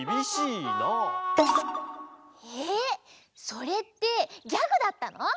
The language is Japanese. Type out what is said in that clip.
それってギャグだったの？